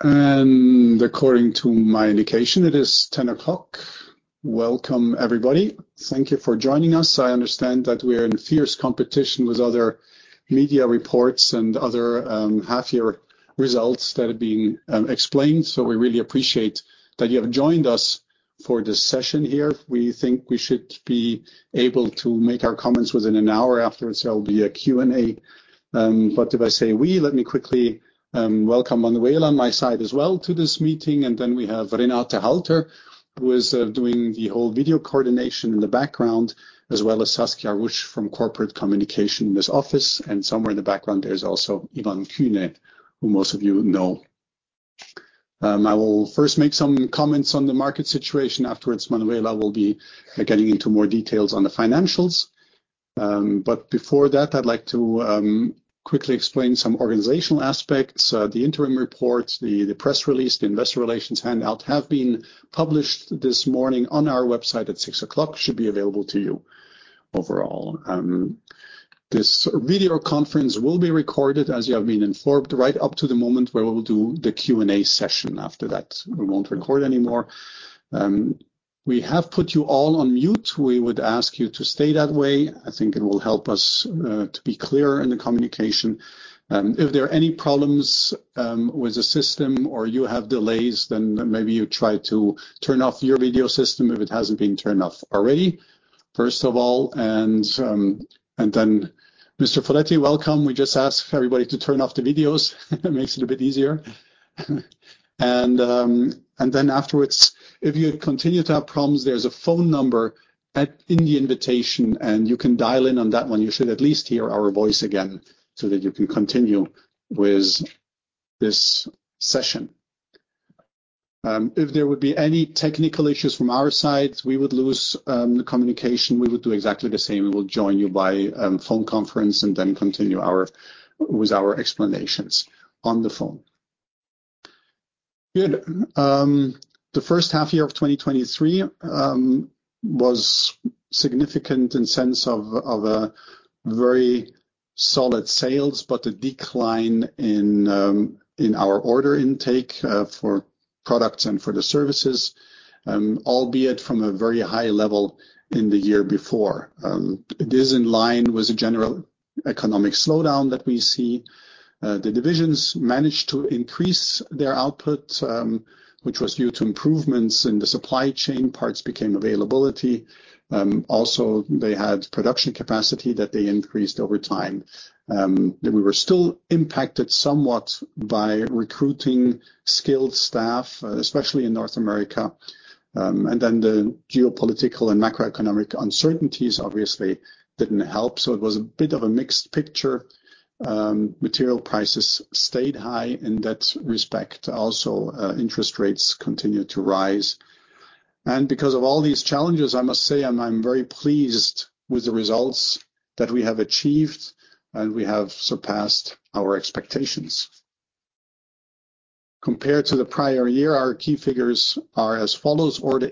According to my indication, it is 10 o'clock. Welcome, everybody. Thank you for joining us. I understand that we are in fierce competition with other media reports and other half-year results that are being explained, so we really appreciate that you have joined us for this session here. We think we should be able to make our comments within an hour. Afterwards, there will be a Q&A. If I say we, let me quickly welcome Manuela on my side as well to this meeting. Then we have Renate Halter, who is doing the whole video coordination in the background, as well as Saskia Rusch from corporate communication in this office. Somewhere in the background, there is also Yvonne Kühne, who most of you know. I will first make some comments on the market situation. Afterwards, Manuela will be getting into more details on the financials. Before that, I'd like to quickly explain some organizational aspects. The interim report, the press release, the investor relations handout, have been published this morning on our website at 6:00 A.M., should be available to you overall. This video conference will be recorded, as you have been informed, right up to the moment where we will do the Q&A session. After that, we won't record anymore. We have put you all on mute. We would ask you to stay that way. I think it will help us to be clear in the communication. If there are any problems with the system or you have delays, maybe you try to turn off your video system, if it hasn't been turned off already, first of all. Mr. Foletti, welcome. We just ask everybody to turn off the videos. It makes it a bit easier. Afterwards, if you continue to have problems, there's a phone number in the invitation, and you can dial in on that one. You should at least hear our voice again, so that you can continue with this session. If there would be any technical issues from our side, we would lose the communication, we would do exactly the same. We will join you by phone conference and then continue with our explanations on the phone. Good. The first half year of 2023 was significant in sense of a very solid sales, but a decline in our order intake for products and for the services, albeit from a very high level in the year before. It is in line with the general economic slowdown that we see. The divisions managed to increase their output, which was due to improvements in the supply chain, parts became availability. They had production capacity that they increased over time. We were still impacted somewhat by recruiting skilled staff, especially in North America. The geopolitical and macroeconomic uncertainties obviously didn't help, so it was a bit of a mixed picture. Material prices stayed high in that respect. Interest rates continued to rise. Because of all these challenges, I must say, I'm very pleased with the results that we have achieved, and we have surpassed our expectations. Compared to the prior year, our key figures are as follows: order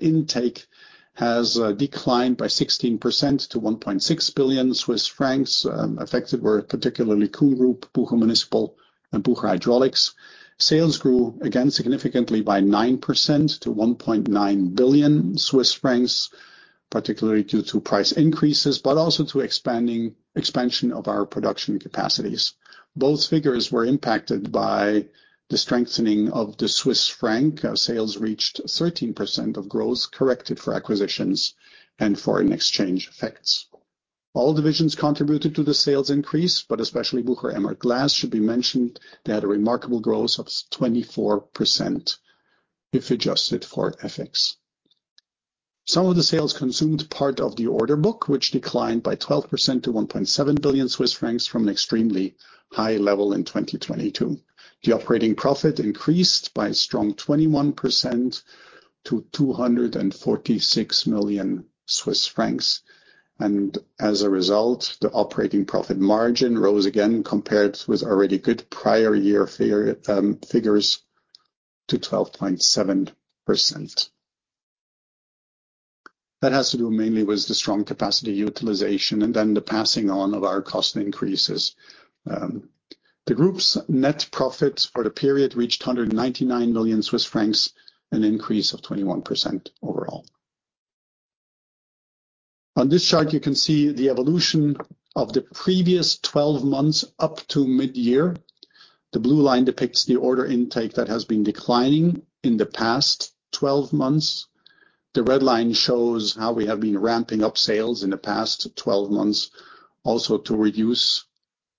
intake has declined by 16% to 1.6 billion Swiss francs. Affected were particularly Kuhn Group, Bucher Municipal, and Bucher Hydraulics. Sales grew again significantly by 9% to 1.9 billion Swiss francs, particularly due to price increases, but also to expansion of our production capacities. Both figures were impacted by the strengthening of the Swiss franc. Sales reached 13% of growth, corrected for acquisitions and foreign exchange effects. All divisions contributed to the sales increase, especially Bucher Emhart Glass should be mentioned. They had a remarkable growth of 24% if adjusted for FX. Some of the sales consumed part of the order book, which declined by 12% to 1.7 billion Swiss francs from an extremely high level in 2022. The operating profit increased by a strong 21% to 246 million Swiss francs. As a result, the operating profit margin rose again compared with already good prior year figures to 12.7%. That has to do mainly with the strong capacity utilization and then the passing on of our cost increases. The group's net profit for the period reached 199 million Swiss francs, an increase of 21% overall. On this chart, you can see the evolution of the previous 12 months up to mid-year. The blue line depicts the order intake that has been declining in the past 12 months. The red line shows how we have been ramping up sales in the past 12 months, also to reduce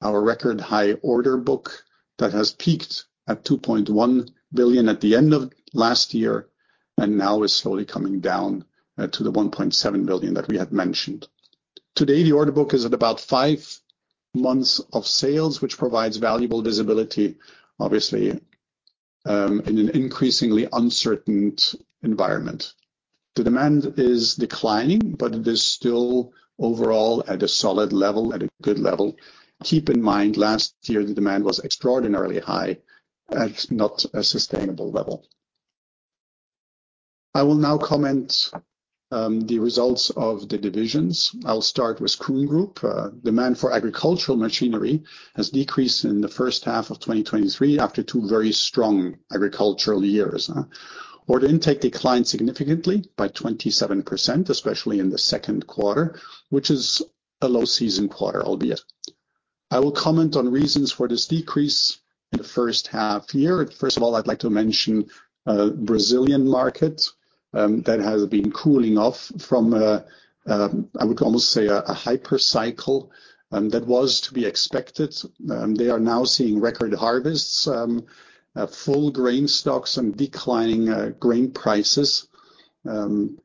our record-high order book that has peaked at 2.1 billion at the end of last year, and now is slowly coming down to the 1.7 billion that we had mentioned. Today, the order book is at about five months of sales, which provides valuable visibility, obviously, in an increasingly uncertain environment. The demand is declining, but it is still overall at a solid level, at a good level. Keep in mind, last year, the demand was extraordinarily high, at not a sustainable level. I will now comment the results of the divisions. I'll start with Kuhn Group. Demand for agricultural machinery has decreased in the first half of 2023, after two very strong agricultural years, huh? Order intake declined significantly by 27%, especially in the second quarter, which is a low season quarter, albeit. I will comment on reasons for this decrease in the first half year. First of all, I'd like to mention Brazilian market that has been cooling off from a hyper cycle, and that was to be expected. They are now seeing record harvests, full grain stocks, and declining grain prices.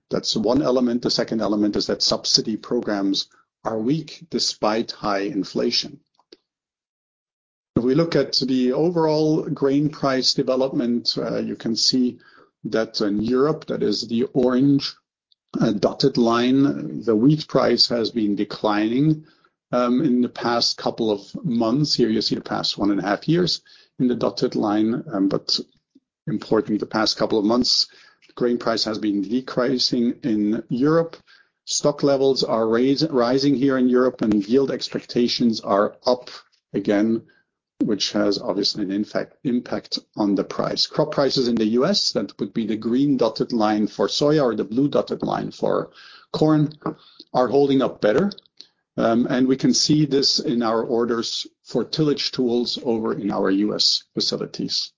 That's one element. The second element is that subsidy programs are weak despite high inflation. If we look at the overall grain price development, you can see that in Europe, that is the orange dotted line. The wheat price has been declining in the past couple of months. Here, you see the past 1.5 years in the dotted line. Importantly, the past couple of months, grain price has been decreasing in Europe. Stock levels are rising here in Europe, and yield expectations are up again, which has obviously an impact on the price. Crop prices in the U.S., that would be the green dotted line for soya or the blue dotted line for corn, are holding up better. We can see this in our orders for tillage tools over in our U.S. facilities.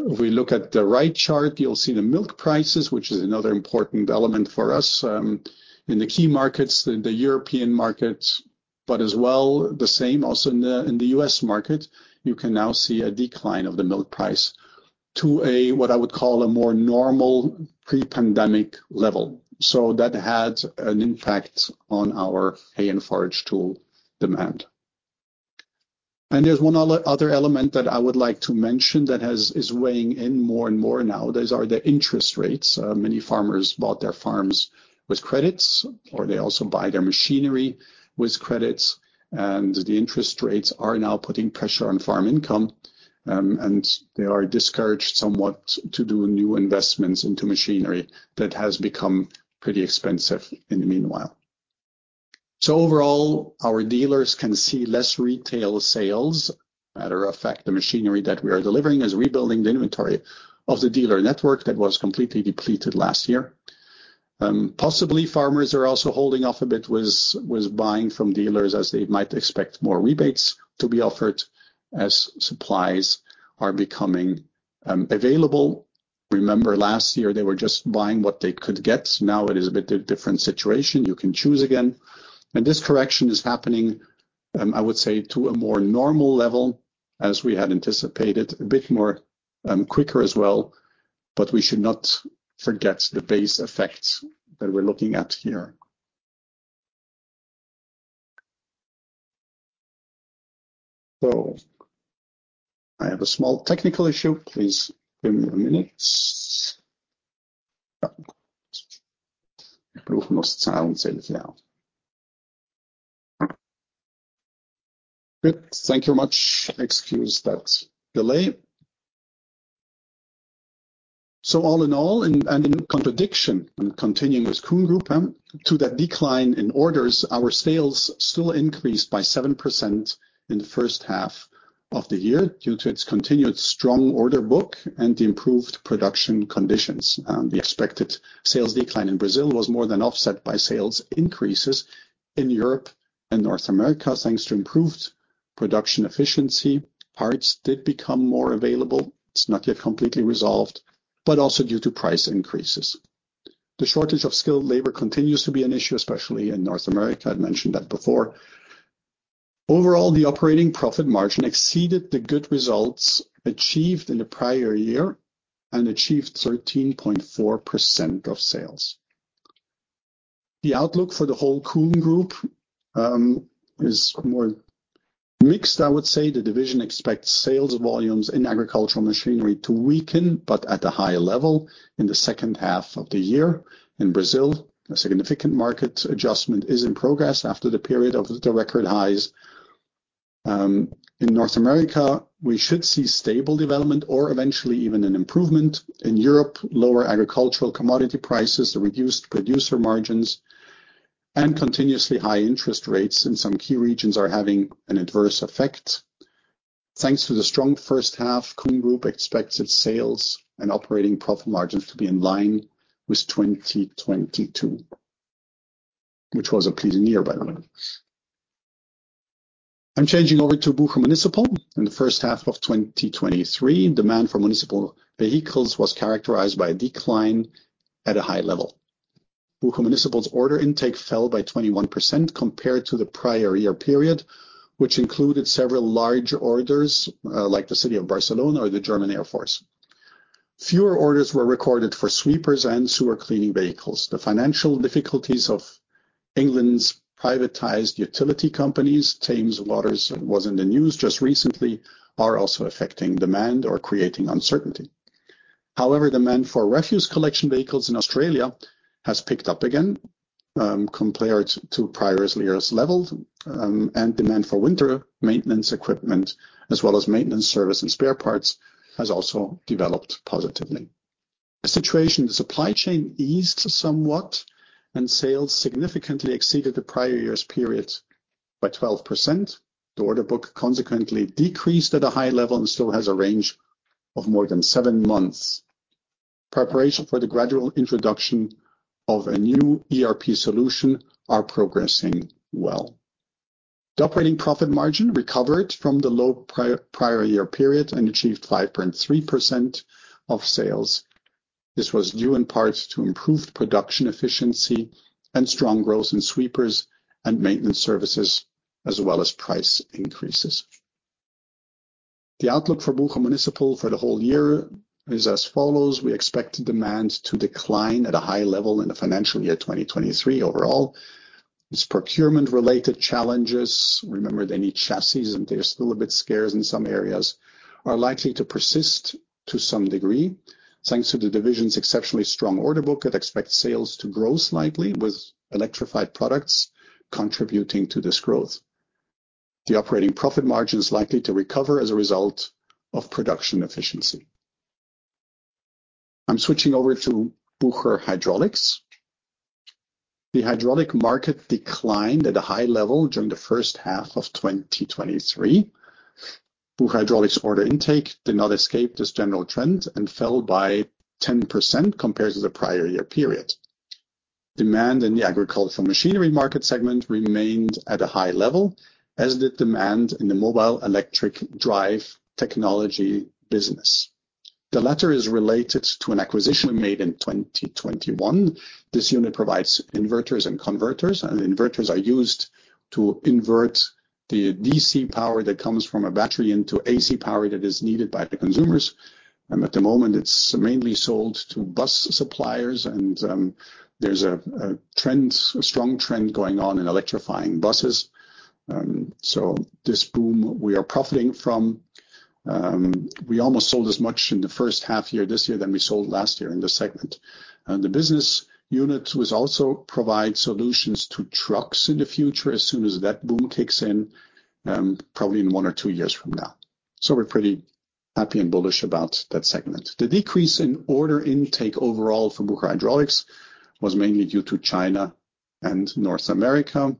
If we look at the right chart, you'll see the milk prices, which is another important element for us, in the key markets, in the European markets, but as well, the same also in the, in the U.S. market. You can now see a decline of the milk price to a, what I would call, a more normal pre-pandemic level. That had an impact on our hay and forage tool demand. There's one other element that I would like to mention that is weighing in more and more now. Those are the interest rates. Many farmers bought their farms with credits, or they also buy their machinery with credits, and the interest rates are now putting pressure on farm income, and they are discouraged somewhat to do new investments into machinery that has become pretty expensive in the meanwhile. Overall, our dealers can see less retail sales. Matter of fact, the machinery that we are delivering is rebuilding the inventory of the dealer network that was completely depleted last year. Possibly, farmers are also holding off a bit with buying from dealers as they might expect more rebates to be offered as supplies are becoming available. Remember, last year they were just buying what they could get. Now, it is a bit of a different situation. You can choose again, and this correction is happening, I would say, to a more normal level as we had anticipated. A bit more, quicker as well, but we should not forget the base effects that we're looking at here. I have a small technical issue. Please give me a minute. Good. Thank you much. Excuse that delay. All in all, and in contradiction, and continuing with Kuhn Group, to that decline in orders, our sales still increased by 7% in the first half of the year due to its continued strong order book and the improved production conditions. The expected sales decline in Brazil was more than offset by sales increases in Europe and North America, thanks to improved production efficiency. Parts did become more available. It's not yet completely resolved, but also due to price increases. The shortage of skilled labor continues to be an issue, especially in North America. I'd mentioned that before. Overall, the operating profit margin exceeded the good results achieved in the prior year and achieved 13.4% of sales. The outlook for the whole Kuhn Group is more mixed, I would say. The division expects sales volumes in agricultural machinery to weaken, but at a high level in the second half of the year. In Brazil, a significant market adjustment is in progress after the period of the record highs. In North America, we should see stable development or eventually even an improvement. In Europe, lower agricultural commodity prices, the reduced producer margins, and continuously high interest rates in some key regions are having an adverse effect. Thanks to the strong first half, Kuhn Group expects its sales and operating profit margins to be in line with 2022, which was a pleasing year, by the way. I'm changing over to Bucher Municipal. In the first half of 2023, demand for municipal vehicles was characterized by a decline at a high level. Bucher Municipal's order intake fell by 21% compared to the prior year period, which included several large orders, like the City of Barcelona or the German Air Force. Fewer orders were recorded for sweepers and sewer cleaning vehicles. The financial difficulties of England's privatized utility companies, Thames Water was in the news just recently, are also affecting demand or creating uncertainty. However, demand for refuse collection vehicles in Australia has picked up again. Compared to prior years' level, and demand for winter maintenance equipment, as well as maintenance service and spare parts, has also developed positively. The supply chain eased somewhat, and sales significantly exceeded the prior year's period by 12%. The order book consequently decreased at a high level and still has a range of more than seven months. Preparation for the gradual introduction of a new ERP solution are progressing well. The operating profit margin recovered from the low prior year period and achieved 5.3% of sales. This was due in part to improved production efficiency and strong growth in sweepers and maintenance services, as well as price increases. The outlook for Bucher Municipal for the whole year is as follows: We expect demand to decline at a high level in the financial year 2023. Overall, its procurement-related challenges, remember, they need chassis, and they're still a bit scarce in some areas, are likely to persist to some degree. Thanks to the division's exceptionally strong order book, it expects sales to grow slightly, with electrified products contributing to this growth. The operating profit margin is likely to recover as a result of production efficiency. I'm switching over to Bucher Hydraulics. The hydraulic market declined at a high level during the first half of 2023. Bucher Hydraulics order intake did not escape this general trend and fell by 10% compared to the prior year period. Demand in the agricultural machinery market segment remained at a high level, as did demand in the mobile electric drive technology business. The latter is related to an acquisition made in 2021. This unit provides inverters and converters, and inverters are used to invert the DC power that comes from a battery into AC power that is needed by the consumers. At the moment, it's mainly sold to bus suppliers and there's a strong trend going on in electrifying buses. This boom we are profiting from, we almost sold as much in the first half year this year than we sold last year in this segment. The business units was also provide solutions to trucks in the future, as soon as that boom kicks in, probably in one or two years from now. We're pretty happy and bullish about that segment. The decrease in order intake overall for Bucher Hydraulics was mainly due to China and North America.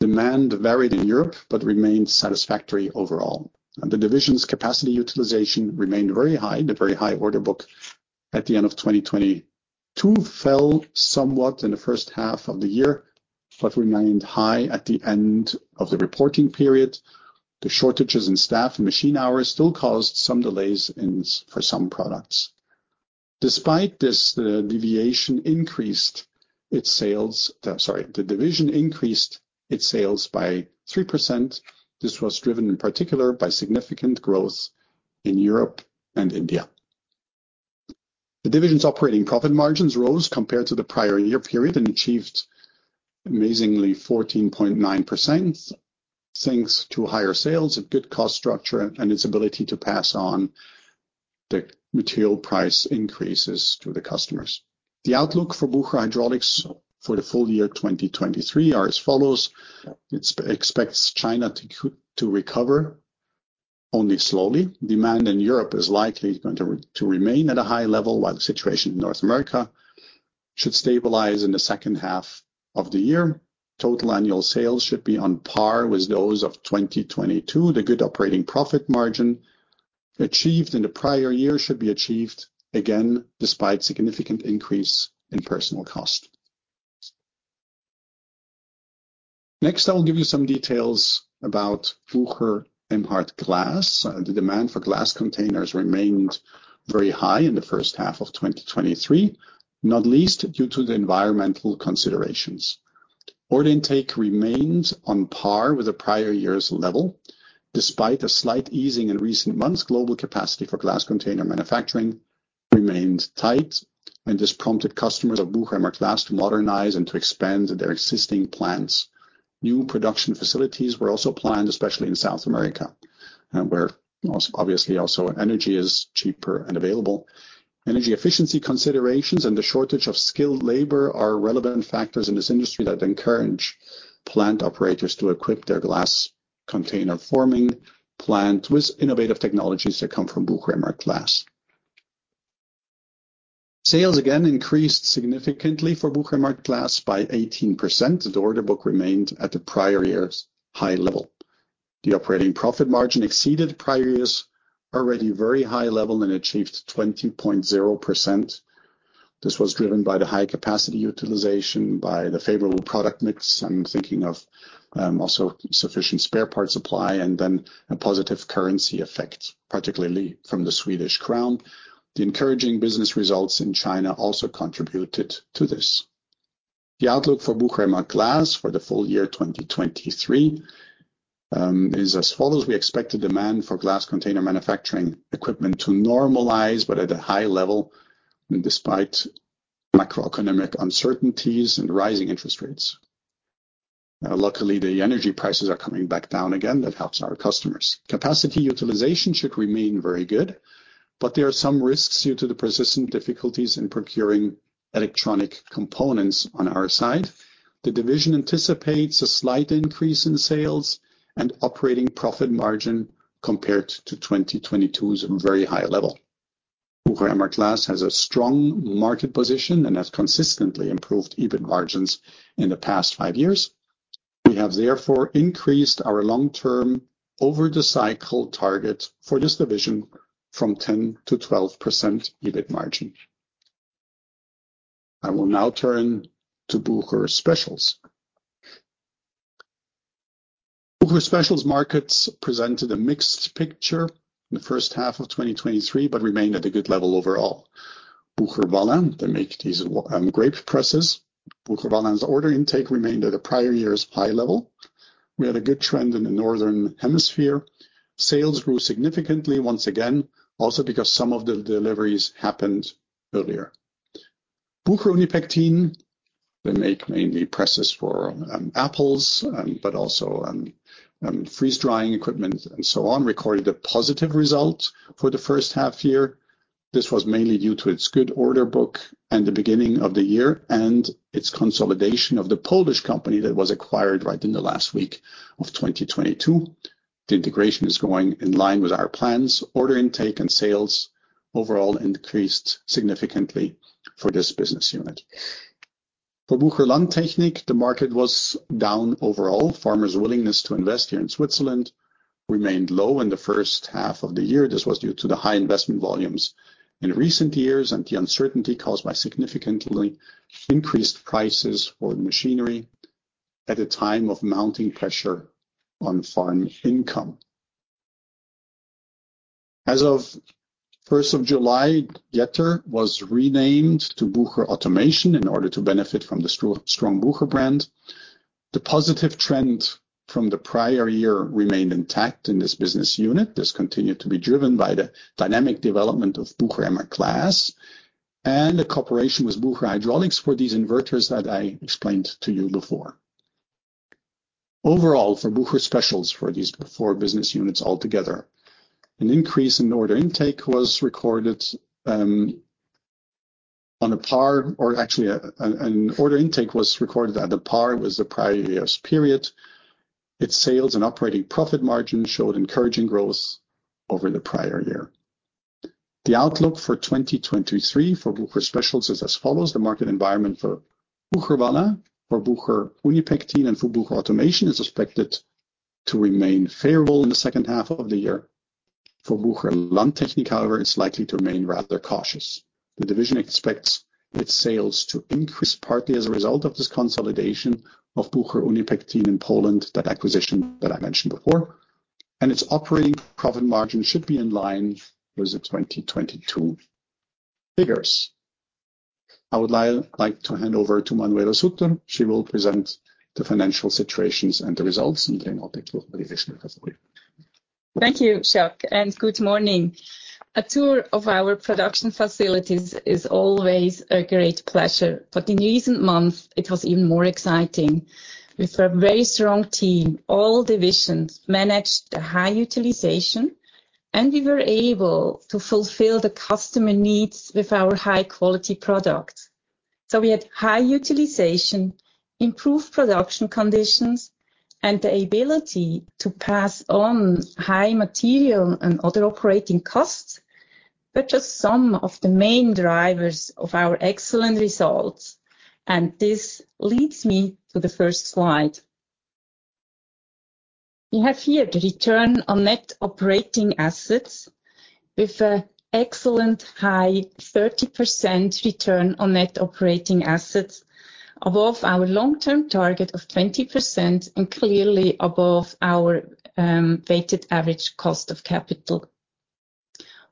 Demand varied in Europe, but remained satisfactory overall, and the division's capacity utilization remained very high. The very high order book at the end of 2022 fell somewhat in the first half of the year, but remained high at the end of the reporting period. The shortages in staff and machine hours still caused some delays for some products. Despite this, the division increased its sales. The division increased its sales by 3%. This was driven in particular by significant growth in Europe and India. The division's operating profit margins rose compared to the prior year period and achieved amazingly 14.9%, thanks to higher sales, a good cost structure, and its ability to pass on the material price increases to the customers. The outlook for Bucher Hydraulics for the full year 2023 are as follows: It expects China to recover only slowly. Demand in Europe is likely going to remain at a high level, while the situation in North America should stabilize in the second half of the year. Total annual sales should be on par with those of 2022. The good operating profit margin achieved in the prior year should be achieved again, despite significant increase in personal cost. Next, I will give you some details about Bucher Emhart Glass. The demand for glass containers remained very high in the first half of 2023, not least due to the environmental considerations. Order intake remains on par with the prior year's level. Despite a slight easing in recent months, global capacity for glass container manufacturing remained tight, and this prompted customers of Bucher Emhart Glass to modernize and to expand their existing plants. New production facilities were also planned, especially in South America, where also, obviously, also energy is cheaper and available. Energy efficiency considerations and the shortage of skilled labor are relevant factors in this industry that encourage plant operators to equip their glass container forming plant with innovative technologies that come from Bucher Emhart Glass. Sales again increased significantly for Bucher Emhart Glass by 18%. The order book remained at the prior year's high level. The operating profit margin exceeded prior year's already very high level and achieved 20.0%. This was driven by the high capacity utilization, by the favorable product mix. I'm thinking of also sufficient spare parts supply and then a positive currency effect, particularly from the Swedish crown. The encouraging business results in China also contributed to this. The outlook for Bucher Emhart Glass for the full year 2023 is as follows: We expect the demand for glass container manufacturing equipment to normalize, but at a high level, despite macroeconomic uncertainties and rising interest rates.... Luckily, the energy prices are coming back down again. That helps our customers. Capacity utilization should remain very good, but there are some risks due to the persistent difficulties in procuring electronic components on our side. The division anticipates a slight increase in sales and operating profit margin compared to 2022's very high level. Bucher Emhart Glass has a strong market position and has consistently improved EBIT margins in the past five years. We have therefore increased our long-term, over-the-cycle target for this division from 10%-12% EBIT margin. I will now turn to Bucher Specials. Bucher Specials markets presented a mixed picture in the first half of 2023, but remained at a good level overall. Bucher Vaslin, they make these grape presses. Bucher Vaslin's order intake remained at the prior year's high level. We had a good trend in the Northern Hemisphere. Sales grew significantly once again, also because some of the deliveries happened earlier. Bucher Unipektin, they make mainly presses for apples, but also freeze-drying equipment and so on, recorded a positive result for the first half year. This was mainly due to its good order book and the beginning of the year, and its consolidation of the Polish company that was acquired right in the last week of 2022. The integration is going in line with our plans. Order intake and sales overall increased significantly for this business unit. For Bucher Landtechnik, the market was down overall. Farmers' willingness to invest here in Switzerland remained low in the first half of the year. This was due to the high investment volumes in recent years, and the uncertainty caused by significantly increased prices for the machinery at a time of mounting pressure on farm income. As of first of July, Jetter was renamed to Bucher Automation in order to benefit from the strong Bucher brand. The positive trend from the prior year remained intact in this business unit. This continued to be driven by the dynamic development of Bucher Emhart Glass and the cooperation with Bucher Hydraulics for these inverters that I explained to you before. Overall, for Bucher Specials, for these four business units altogether, an increase in order intake was recorded on a par, or actually, an order intake was recorded at the par with the prior year's period. Its sales and operating profit margin showed encouraging growth over the prior year. The outlook for 2023 for Bucher Specials is as follows: the market environment for Bucher Vaslin, for Bucher Unipektin, and for Bucher Automation is expected to remain favorable in the second half of the year. For Bucher Landtechnik, however, it's likely to remain rather cautious. The division expects its sales to increase, partly as a result of this consolidation of Bucher Unipektin in Poland, that acquisition that I mentioned before, and its operating profit margin should be in line with the 2022 figures. I would like to hand over to Manuela Suter. She will present the financial situations and the results, and then I'll take your questions. Thank you, Jacques. Good morning. A tour of our production facilities is always a great pleasure, but in recent months, it was even more exciting. With a very strong team, all divisions managed a high utilization, and we were able to fulfill the customer needs with our high-quality products. We had high utilization, improved production conditions, and the ability to pass on high material and other operating costs, which are some of the main drivers of our excellent results. This leads me to the first slide. We have here the return on net operating assets, with an excellent high 30% return on net operating assets, above our long-term target of 20%, and clearly above our weighted average cost of capital.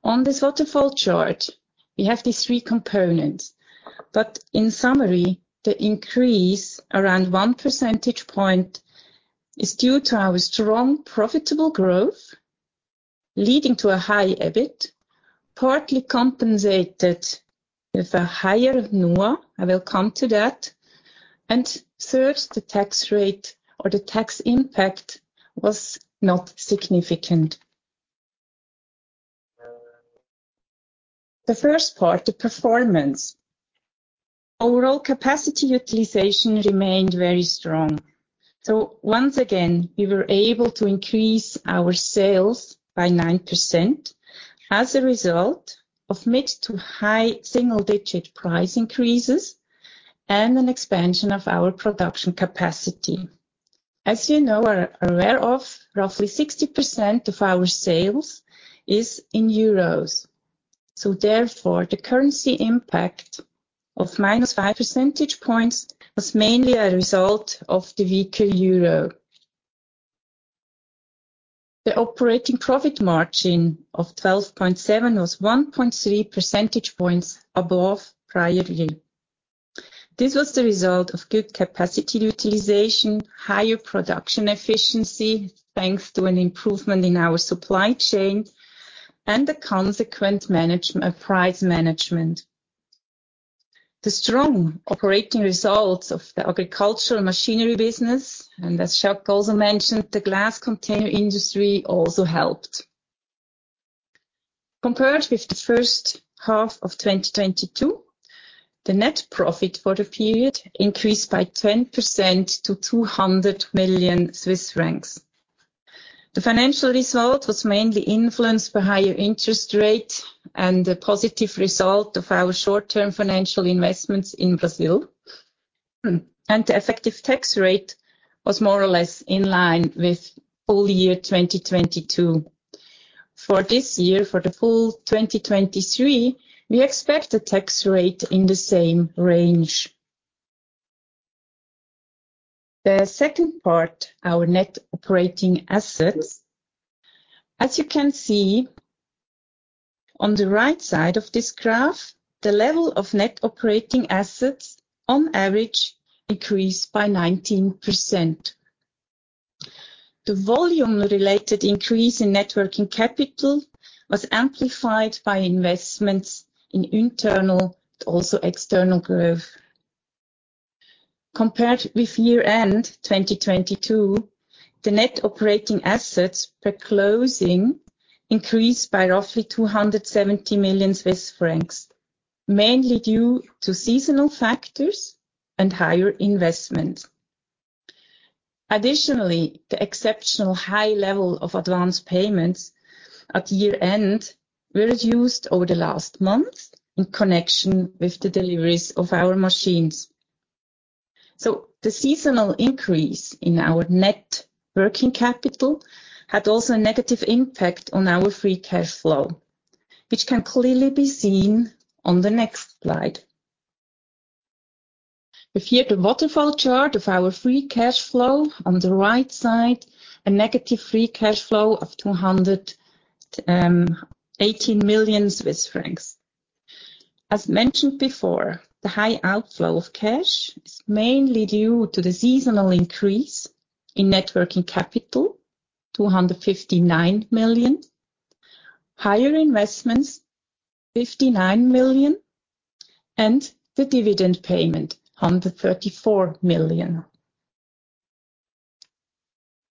On this waterfall chart, we have these three components, but in summary, the increase, around one percentage point, is due to our strong, profitable growth, leading to a high EBIT, partly compensated with a higher NOA, I will come to that. Third, the tax rate or the tax impact was not significant. The first part, the performance. Overall capacity utilization remained very strong. Once again, we were able to increase our sales by 9% as a result of mid-to-high single-digit price increases and an expansion of our production capacity. As you know or are aware of, roughly 60% of our sales is in euros, so therefore, the currency impact of -5 percentage points was mainly a result of the weaker euro. The operating profit margin of 12.7 was 1.3 percentage points above prior year. This was the result of good capacity utilization, higher production efficiency, thanks to an improvement in our supply chain, and the consequent price management. The strong operating results of the agricultural machinery business, and as Jacques also mentioned, the glass container industry also helped. Compared with the first half of 2022, the net profit for the period increased by 10% to 200 million Swiss francs. The financial result was mainly influenced by higher interest rates and the positive result of our short-term financial investments in Brazil. The effective tax rate was more or less in line with full year 2022. For this year, for the full 2023, we expect a tax rate in the same range. The second part, our net operating assets. As you can see on the right side of this graph, the level of net operating assets on average increased by 19%. The volume-related increase in net working capital was amplified by investments in internal and also external growth. Compared with year-end 2022, the net operating assets per closing increased by roughly 270 million Swiss francs, mainly due to seasonal factors and higher investment. Additionally, the exceptional high level of advance payments at year-end were reduced over the last months in connection with the deliveries of our machines. The seasonal increase in our net working capital had also a negative impact on our free cash flow, which can clearly be seen on the next slide. We have here the waterfall chart of our free cash flow. On the right side, a negative free cash flow of 218 million Swiss francs. As mentioned before, the high outflow of cash is mainly due to the seasonal increase in net working capital, 259 million, higher investments, 59 million, and the dividend payment, 134 million.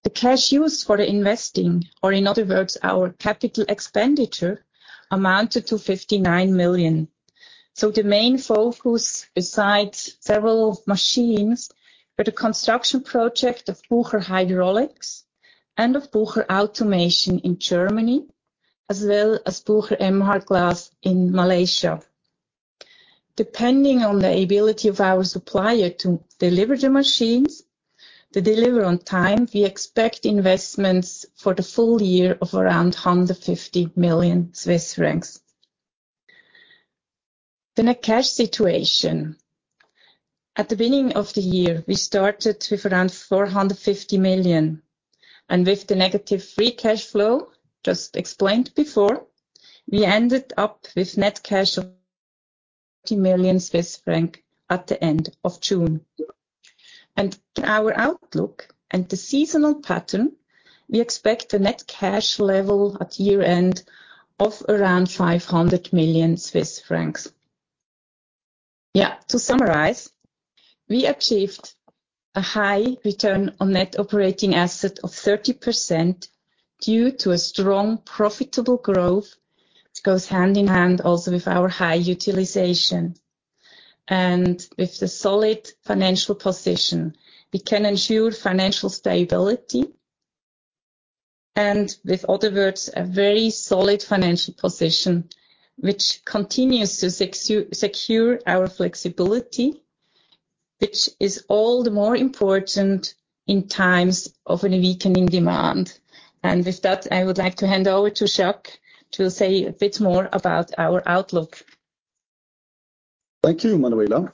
The cash used for the investing, or in other words, our capital expenditure, amounted to 59 million. The main focus, besides several machines, were the construction project of Bucher Hydraulics and of Bucher Automation in Germany, as well as Bucher Emhart Glass in Malaysia. Depending on the ability of our supplier to deliver the machines, to deliver on time, we expect investments for the full year of around 150 million Swiss francs. The net cash situation. At the beginning of the year, we started with around 450 million, and with the negative free cash flow just explained before, we ended up with net cash of 30 million Swiss francs at the end of June. Our outlook and the seasonal pattern, we expect the net cash level at year-end of around CHF 500 million. To summarize, we achieved a high return on net operating asset of 30% due to a strong, profitable growth, which goes hand in hand also with our high utilization. With the solid financial position, we can ensure financial stability and, with other words, a very solid financial position, which continues to secure our flexibility, which is all the more important in times of a weakening demand. With that, I would like to hand over to Jacques to say a bit more about our outlook. Thank you, Manuela.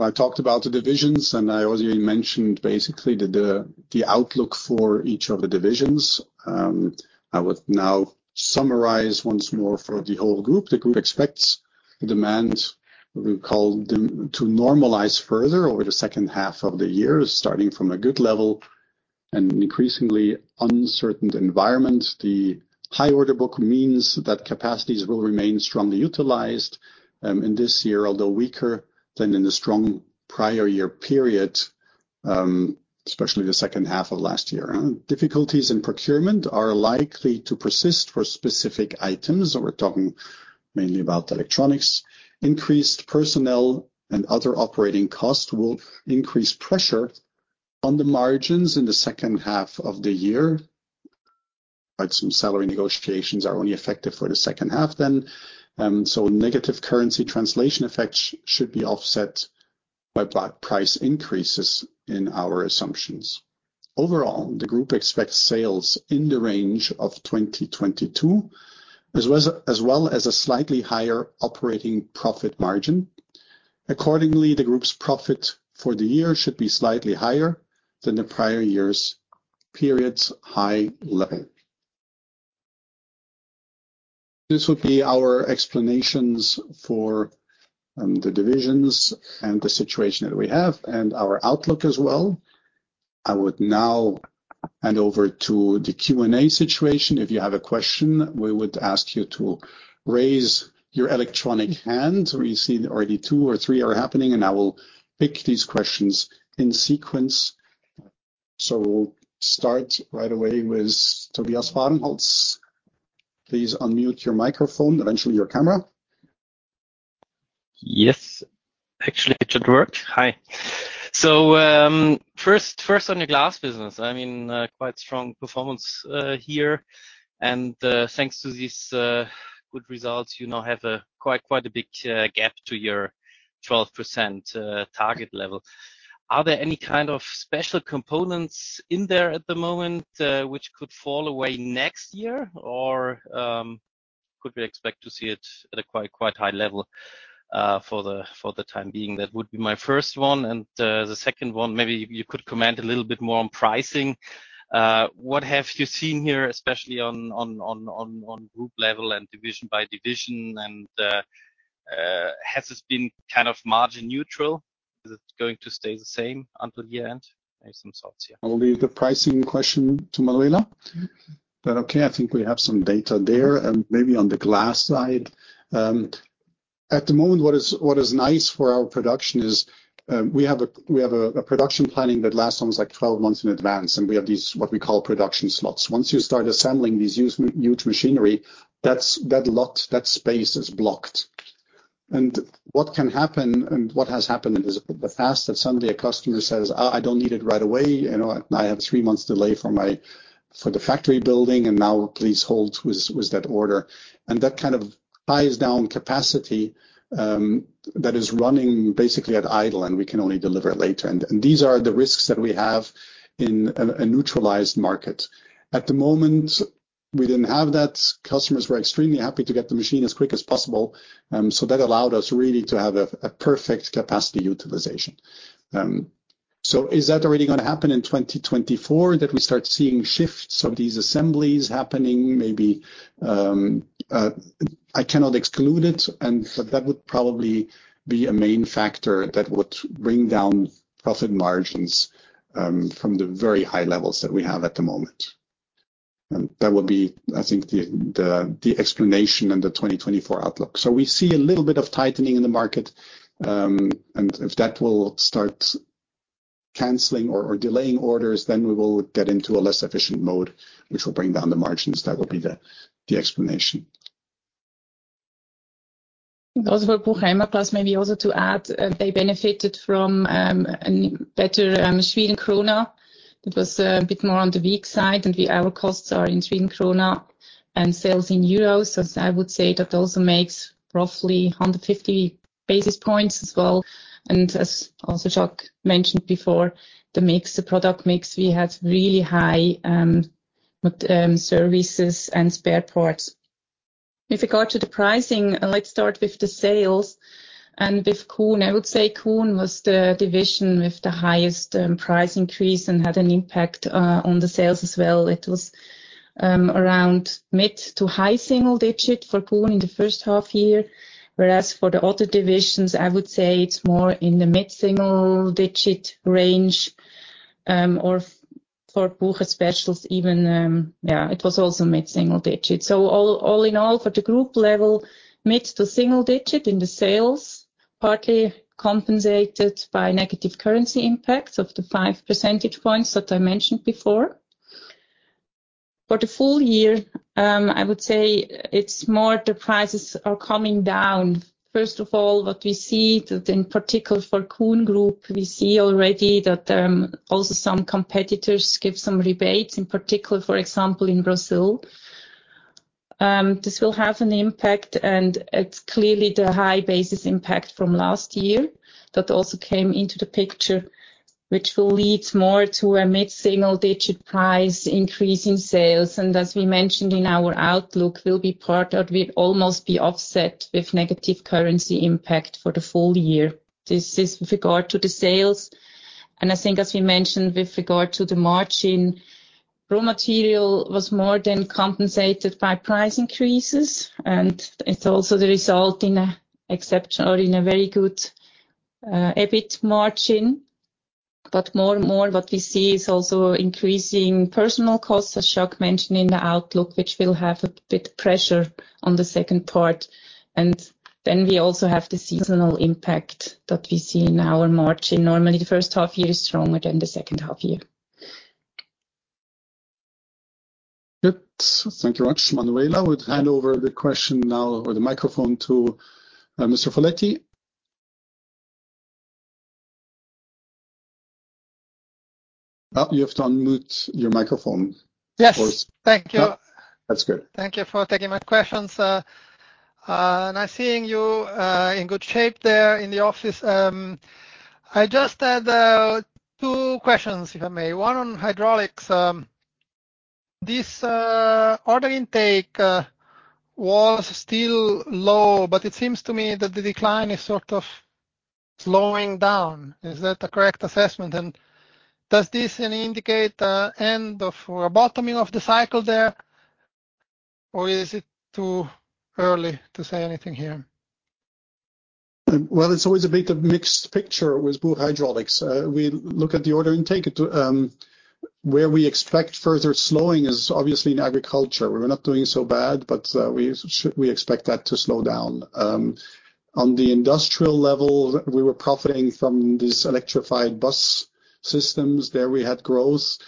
I talked about the divisions, and I already mentioned the outlook for each of the divisions. I would now summarize once more for the whole group. The group expects the demand, we call them, to normalize further over the second half of the year, starting from a good level and an increasingly uncertain environment. The high order book means that capacities will remain strongly utilized in this year, although weaker than in the strong prior year period, especially the second half of last year. Difficulties in procurement are likely to persist for specific items, and we're talking mainly about electronics. Increased personnel and other operating costs will increase pressure on the margins in the second half of the year, some salary negotiations are only effective for the second half. Negative currency translation effects should be offset by price increases in our assumptions. Overall, the group expects sales in the range of 2022, as well as a slightly higher operating profit margin. Accordingly, the group's profit for the year should be slightly higher than the prior year's period's high level. This would be our explanations for the divisions and the situation that we have and our outlook as well. I would now hand over to the Q&A situation. If you have a question, we would ask you to raise your electronic hand. We see already two or three are happening, and I will pick these questions in sequence. Start right away with Tobias Fahrenholz. Please unmute your microphone, eventually your camera. Yes. Actually, it should work. Hi. First on the glass business, I mean, quite strong performance here. Thanks to these good results, you now have a quite a big gap to your 12% target level. Are there any kind of special components in there at the moment, which could fall away next year? Could we expect to see it at a quite high level for the time being? That would be my first one. The second one, maybe you could comment a little bit more on pricing. What have you seen here, especially on group level and division by division? Has this been kind of margin neutral? Is it going to stay the same until the end? Maybe some thoughts here. I'll leave the pricing question to Manuela. Okay, I think we have some data there. Maybe on the glass side, at the moment, what is nice for our production is, we have a production planning that lasts almost like 12 months in advance, and we have these, what we call production slots. Once you start assembling these huge machinery, that lot, that space is blocked. What can happen, and what has happened is the fact that suddenly a customer says, "I don't need it right away, you know, I have three months delay for my, for the factory building, and now please hold with that order". That kind of ties down capacity, that is running basically at idle, and we can only deliver it later. These are the risks that we have in a neutralized market. At the moment, we didn't have that. Customers were extremely happy to get the machine as quick as possible, that allowed us really to have a perfect capacity utilization. Is that already gonna happen in 2024, that we start seeing shifts of these assemblies happening? Maybe, I cannot exclude it, and but that would probably be a main factor that would bring down profit margins from the very high levels that we have at the moment. That would be, I think, the, the explanation and the 2024 outlook. We see a little bit of tightening in the market, and if that will start canceling or delaying orders, then we will get into a less efficient mode, which will bring down the margins. That will be the explanation. Those were Bucher Municipal. Maybe also to add, they benefited from a better Swedish krona. It was a bit more on the weak side, the hour costs are in Swedish krona and sales in euros. I would say that also makes roughly 150 basis points as well. As also Jacques mentioned before, the mix, the product mix, we had really high with services and spare parts. With regard to the pricing, let's start with the sales and with Kuhn. I would say Kuhn was the division with the highest price increase and had an impact on the sales as well. It was around mid to high single digit for Kuhn in the first half year. Whereas for the other divisions, I would say it's more in the mid-single digit range, or for Bucher Specials even, yeah, it was also mid-single digit. All in all, for the group level, mid to single digit in the sales, partly compensated by negative currency impacts of the five percentage points that I mentioned before. For the full year, I would say it's more the prices are coming down. First of all, what we see that in particular for Kuhn Group, we see already that also some competitors give some rebates, in particular, for example, in Brazil. This will have an impact, it's clearly the high basis impact from last year that also came into the picture, which will lead more to a mid-single-digit price increase in sales, as we mentioned in our outlook, will almost be offset with negative currency impact for the full year. This is with regard to the sales, I think as we mentioned with regard to the margin, raw material was more than compensated by price increases, it's also the result in a exceptional or in a very good EBIT margin. More and more, what we see is also increasing personal costs, as Jacques mentioned in the outlook, which will have a bit pressure on the second part. We also have the seasonal impact that we see in our margin. Normally, the first half year is stronger than the second half year. Good. Thank you much, Manuela. I would hand over the question now, or the microphone, to Mr. Foletti. You have to unmute your microphone. Yes, thank you. That's good. Thank you for taking my questions, and I'm seeing you in good shape there in the office. I just had two questions, if I may. One on hydraulics. This order intake was still low, but it seems to me that the decline is sort of slowing down. Is that a correct assessment? Does this indicate the end of or bottoming of the cycle there, or is it too early to say anything here? It's always a bit of mixed picture with Bucher Hydraulics. We look at the order and take it to. Where we expect further slowing is obviously in agriculture. We're not doing so bad, we expect that to slow down. On the industrial level, we were profiting from this electrified bus systems. There we had growth.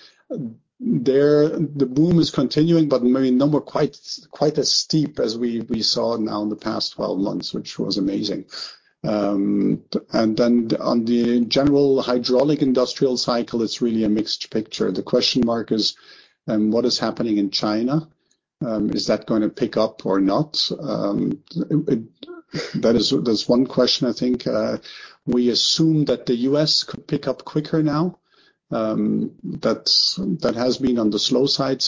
There, the boom is continuing, maybe not quite as steep as we saw now in the past 12 months, which was amazing. On the general hydraulic industrial cycle, it's really a mixed picture. The question mark is, what is happening in China? Is that going to pick up or not? That's one question, I think. We assume that the U.S. could pick up quicker now. That's, that has been on the slow side.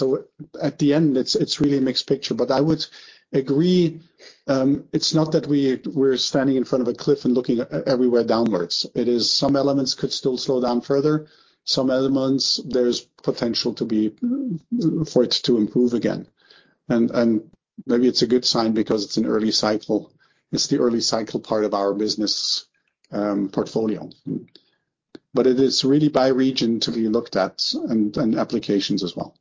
At the end, it's really a mixed picture. I would agree, it's not that we're standing in front of a cliff and looking everywhere downwards. It is some elements could still slow down further. Some elements, there's potential to be, for it to improve again, and maybe it's a good sign because it's an early cycle. It's the early cycle part of our business portfolio. It is really by region to be looked at and applications as well.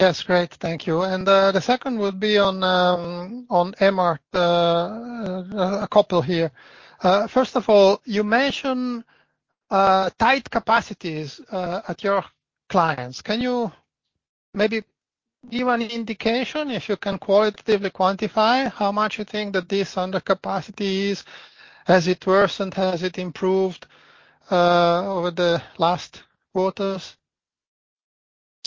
Yes, great. Thank you. The second would be on on Emhart. A couple here. First of all, you mentioned tight capacities at your clients. Can you maybe give an indication, if you can qualitatively quantify, how much you think that this under capacity is? Has it worsened? Has it improved over the last quarters?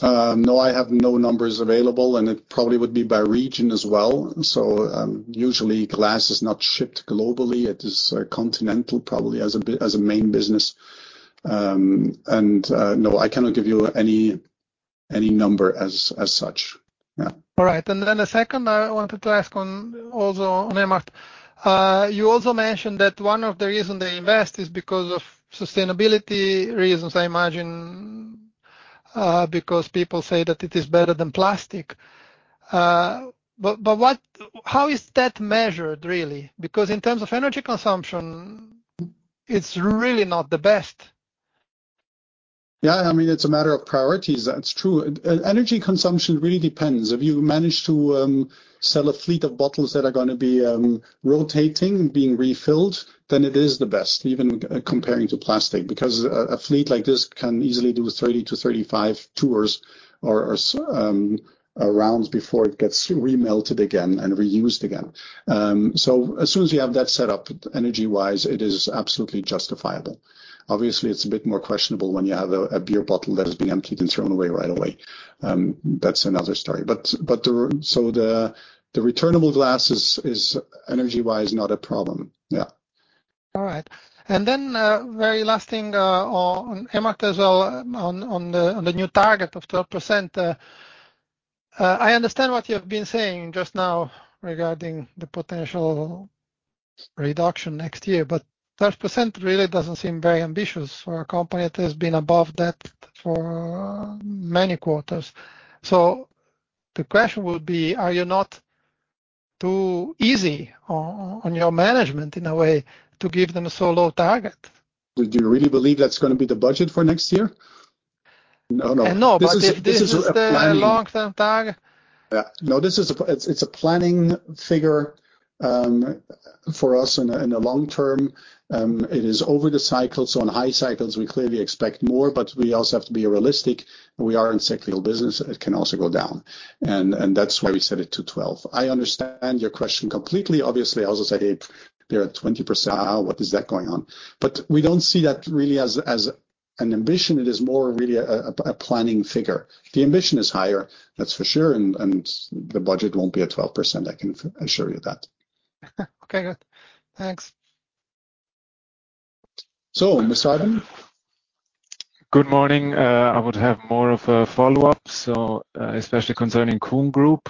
No, I have no numbers available, and it probably would be by region as well. Usually glass is not shipped globally. It is continental, probably as a as a main business. No, I cannot give you any number as such. Yeah. All right. The second I wanted to ask on, also on Emhart. You also mentioned that one of the reason they invest is because of sustainability reasons, I imagine, because people say that it is better than plastic. How is that measured, really? Because in terms of energy consumption, it's really not the best. Yeah, I mean, it's a matter of priorities. That's true. E-energy consumption really depends. If you manage to sell a fleet of bottles that are gonna be rotating, being refilled, then it is the best, even comparing to plastic, because a fleet like this can easily do 30-35 tours or rounds before it gets remelted again and reused again. As soon as you have that set up, energy-wise, it is absolutely justifiable. Obviously, it's a bit more questionable when you have a beer bottle that is being emptied and thrown away right away. That's another story. The returnable glass is energy-wise, not a problem. Yeah. All right. Very last thing, on Emhart as well, on the, on the new target of 12%. I understand what you have been saying just now regarding the potential reduction next year, 12% really doesn't seem very ambitious for a company that has been above that for many quarters. The question would be, are you not too easy on your management in a way, to give them a so low target? Do you really believe that's gonna be the budget for next year? No, no. No, but if this is- This is a planning-. the long-term target. Yeah. No, this is it's a planning figure for us in the long term. It is over the cycle, so on high cycles, we clearly expect more. We also have to be realistic. We are in cyclical business, it can also go down. That's why we set it to 12. I understand your question completely. Obviously, I also say, "Hey, we are at 20%. What is that going on?" .We don't see that really as an ambition. It is more really a planning figure. The ambition is higher, that's for sure. The budget won't be at 12%, I can assure you that. Okay, good. Thanks. [Miss Ivan?] Good morning. I would have more of a follow-up, especially concerning Kuhn Group.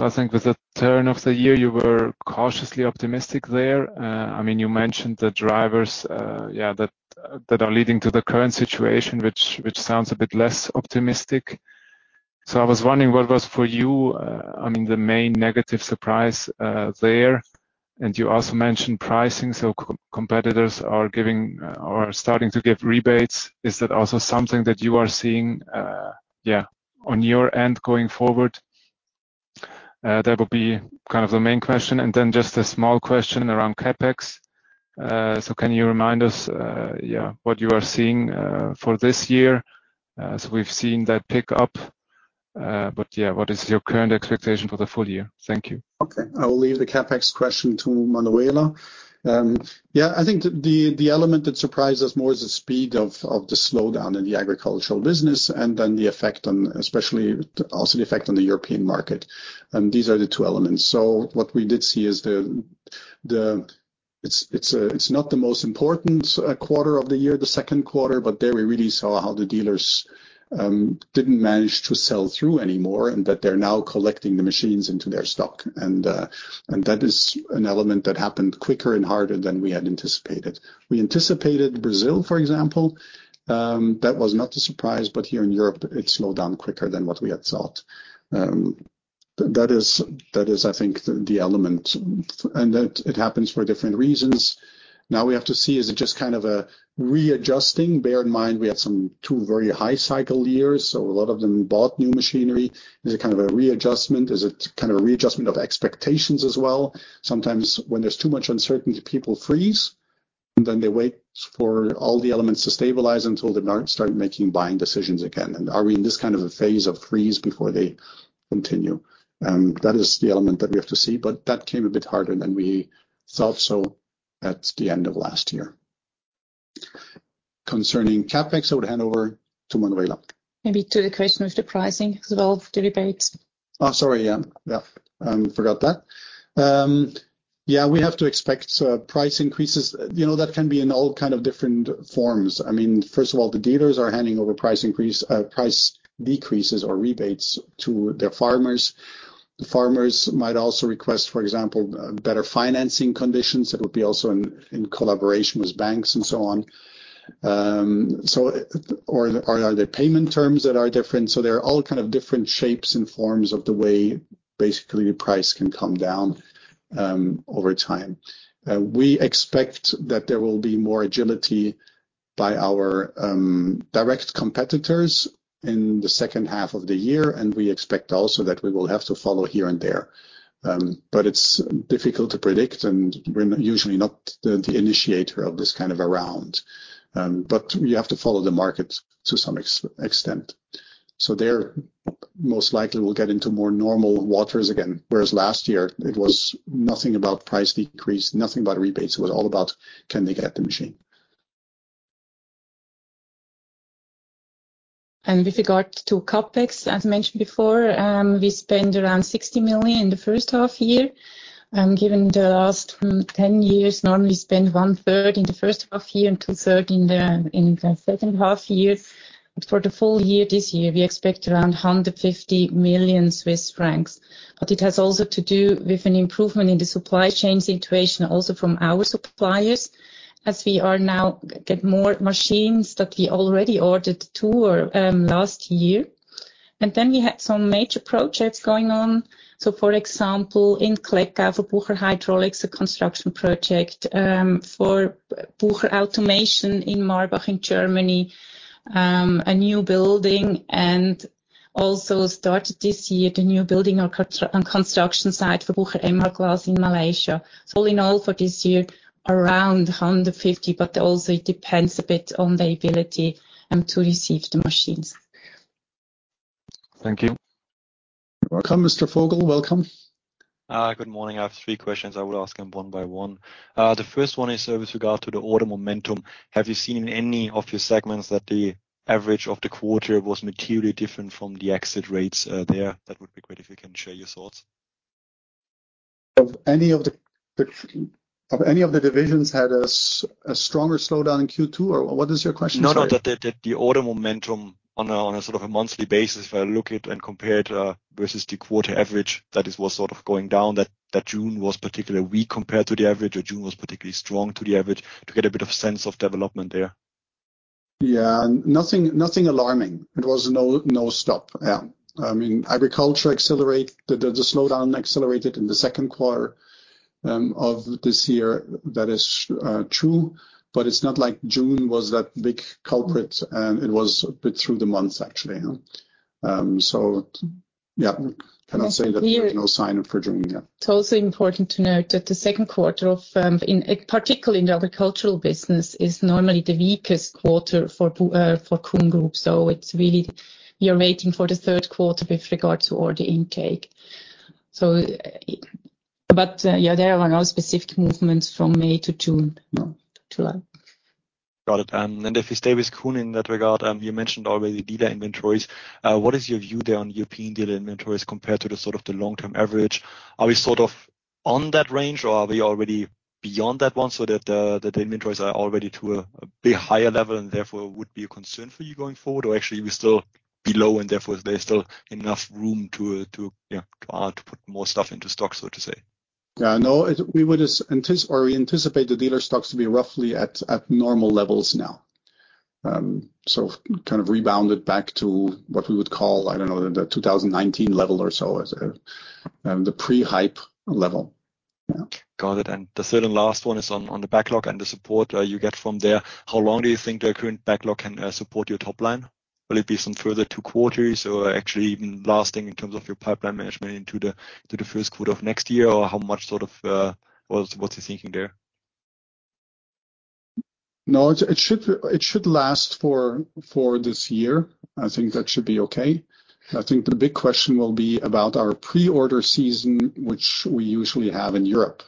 I think with the turn of the year, you were cautiously optimistic there. I mean, you mentioned the drivers that are leading to the current situation, which sounds a bit less optimistic. I was wondering, what was for you, I mean, the main negative surprise there? You also mentioned pricing, co-competitors are giving or starting to give rebates. Is that also something that you are seeing on your end going forward? That would be kind of the main question, and then just a small question around CapEx. Can you remind us what you are seeing for this year? We've seen that pick up, yeah, what is your current expectation for the full year? Thank you. Okay. I will leave the CapEx question to Manuela. Yeah, I think the element that surprised us more is the speed of the slowdown in the agricultural business and then the effect on, especially, also the effect on the European market, and these are the two elements. What we did see is. It's not the most important quarter of the year, the second quarter, but there we really saw how the dealers didn't manage to sell through anymore and that they're now collecting the machines into their stock. That is an element that happened quicker and harder than we had anticipated. We anticipated Brazil, for example, that was not a surprise, but here in Europe, it slowed down quicker than what we had thought. That is, I think, the element, and that it happens for different reasons. Now we have to see, is it just kind of a readjusting? Bear in mind, we had some 2 very high cycle years, so a lot of them bought new machinery. Is it kind of a readjustment? Is it kind of a readjustment of expectations as well? Sometimes when there's too much uncertainty, people freeze, and then they wait for all the elements to stabilize until they start making buying decisions again. Are we in this kind of a phase of freeze before they continue? That is the element that we have to see, but that came a bit harder than we thought so at the end of last year. Concerning CapEx, I would hand over to Manuela. Maybe to the question of the pricing as well, the rebates. Oh, sorry, yeah. Yeah, forgot that. Yeah, we have to expect price increases. You know, that can be in all kind of different forms. I mean, first of all, the dealers are handing over price increase, price decreases or rebates to their farmers. The farmers might also request, for example, better financing conditions. That would be also in collaboration with banks and so on. Or are there payment terms that are different? There are all kind of different shapes and forms of the way basically, the price can come down over time. We expect that there will be more agility by our direct competitors in the second half of the year, and we expect also that we will have to follow here and there. It's difficult to predict, and we're usually not the initiator of this kind of a round. You have to follow the market to some extent. There, most likely we'll get into more normal waters again, whereas last year it was nothing about price decrease, nothing about rebates. It was all about, can they get the machine? With regard to CapEx, as mentioned before, we spent around 60 million in the first half year. Given the last 10 years, normally spend one third in the first half year and two third in the second half year. For the full year, this year, we expect around 150 million Swiss francs. It has also to do with an improvement in the supply chain situation, also from our suppliers, as we now get more machines that we already ordered last year. We had some major projects going on. For example, in Klettgau, for Bucher Hydraulics, a construction project, for Bucher Automation in Marbach, Germany, a new building and also started this year, the new building on construction site for Bucher Emhart Glass in Malaysia. All in all, for this year, around 150, but also it depends a bit on the ability to receive the machines. Thank you. Welcome, Mr. Vogel. Welcome. Good morning. I have three questions. I would ask them one by one. The first one is with regard to the order momentum. Have you seen in any of your segments that the average of the quarter was materially different from the exit rates there? That would be great if you can share your thoughts. Of any of the divisions had a stronger slowdown in Q2, or what is your question, sorry? No, no. That the order momentum on a sort of a monthly basis, if I look at and compared versus the quarter average, that it was sort of going down, that June was particularly weak compared to the average, or June was particularly strong to the average, to get a bit of sense of development there. Yeah, nothing alarming. It was no stop. Yeah. I mean, the slowdown accelerated in the second quarter of this year. That is true, but it's not like June was that big culprit, and it was a bit through the months, actually, so yeah, cannot say that there's no sign up for June. Yeah. It's also important to note that the second quarter of, in, particularly in the agricultural business, is normally the weakest quarter for Kuhn Group. It's really you're waiting for the third quarter with regards to order intake. Yeah, there are no specific movements from May to June, no, to July. Got it. If you stay with Kuhn in that regard, you mentioned already dealer inventories. What is your view there on European dealer inventories compared to the sort of the long-term average? Are we sort of on that range, or are we already beyond that one, so that the inventories are already to a bit higher level and therefore would be a concern for you going forward? Actually, we still below, and therefore there's still enough room to put more stuff into stock, so to say? Yeah. No, we would just we anticipate the dealer stocks to be roughly at normal levels now. Kind of rebounded back to what we would call, I don't know, the 2019 level or so, as the pre-hype level. Yeah. Got it. The third and last one is on the backlog and the support you get from there. How long do you think the current backlog can support your top line? Will it be some further two quarters or actually even lasting in terms of your pipeline management into the first quarter of next year? How much sort of... What's the thinking there? It should last for this year. I think that should be okay. I think the big question will be about our pre-order season, which we usually have in Europe.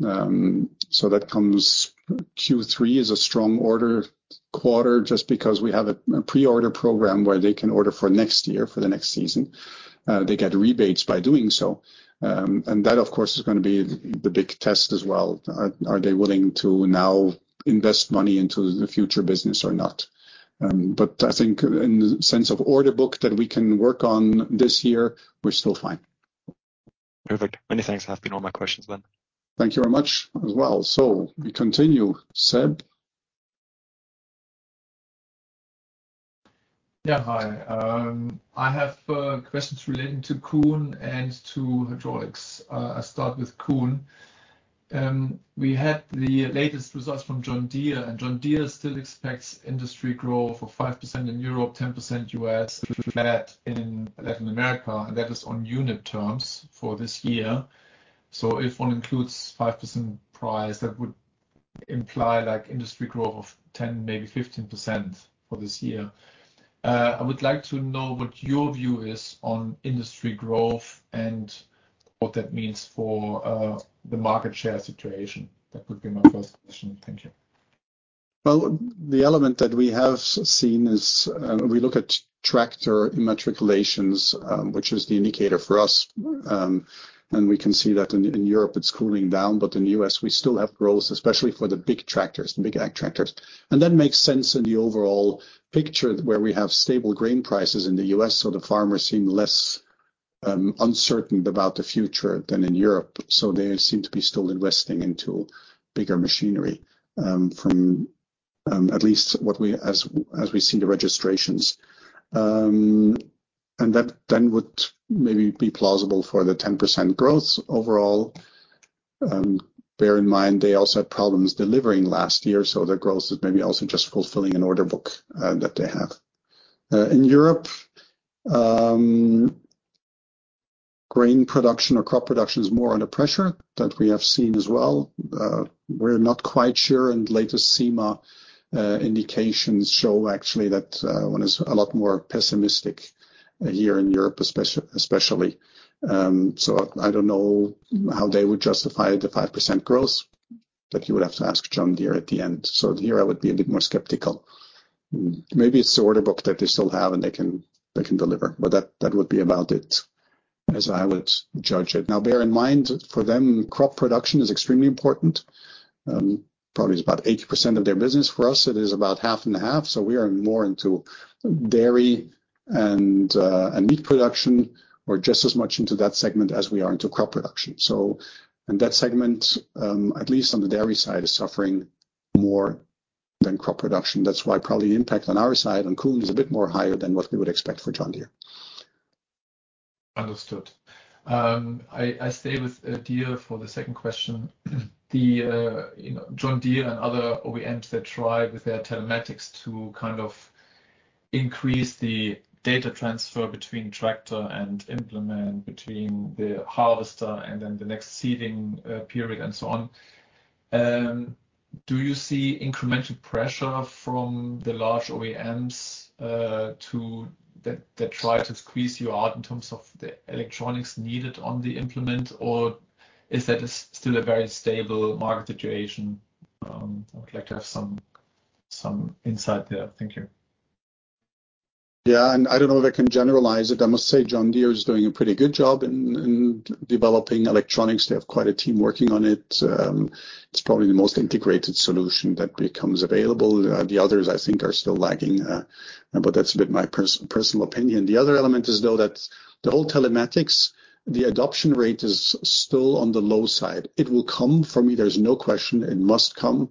That comes Q3 is a strong order quarter just because we have a pre-order program where they can order for next year, for the next season. They get rebates by doing so. That, of course, is gonna be the big test as well. Are they willing to now invest money into the future business or not? I think in the sense of order book that we can work on this year, we're still fine. Perfect. Many thanks. That's been all my questions then. Thank you very much as well. We continue, Seb? Yeah. Hi, I have questions relating to Kuhn and to Hydraulics. I start with Kuhn. We had the latest results from John Deere. John Deere still expects industry growth of 5% in Europe, 10% U.S., flat in Latin America. That is on unit terms for this year. If one includes 5% price, that would imply, like, industry growth of 10, maybe 15% for this year. I would like to know what your view is on industry growth and what that means for the market share situation. That would be my first question. Thank you. Well, the element that we have seen is, we look at tractor registrations, which is the indicator for us. We can see that in Europe, it's cooling down, but in the U.S., we still have growth, especially for the big tractors, the big ag tractors. That makes sense in the overall picture, where we have stable grain prices in the U.S., so the farmers seem less uncertain about the future than in Europe. They seem to be still investing into bigger machinery, from at least as we see the registrations. That then would maybe be plausible for the 10% growth overall. Bear in mind, they also had problems delivering last year, so the growth is maybe also just fulfilling an order book that they have. In Europe, grain production or crop production is more under pressure. That we have seen as well. We're not quite sure, latest CEMA indications show actually that one is a lot more pessimistic here in Europe, especially. I don't know how they would justify the 5% growth, you would have to ask John Deere at the end. Here I would be a bit more skeptical. Maybe it's the order book that they still have, and they can deliver, but that would be about it, as I would judge it. Now, bear in mind, for them, crop production is extremely important. Probably it's about 80% of their business. For us, it is about half and half, we are more into dairy and meat production, or just as much into that segment as we are into crop production. In that segment, at least on the dairy side, is suffering more than crop production. That's why probably the impact on our side, on Kuhn, is a bit more higher than what we would expect for John Deere. Understood. I stay with Deere for the second question. You know, John Deere and other OEMs, they try with their telematics to kind of increase the data transfer between tractor and implement, between the harvester and then the next seeding period, and so on. Do you see incremental pressure from the large OEMs that try to squeeze you out in terms of the electronics needed on the implement, or is that still a very stable market situation? I would like to have some insight there. Thank you. I don't know if I can generalize it. I must say John Deere is doing a pretty good job in developing electronics. They have quite a team working on it. It's probably the most integrated solution that becomes available. The others, I think, are still lagging. That's a bit my personal opinion. The other element is, though, that the whole telematics, the adoption rate is still on the low side. It will come. For me, there's no question it must come.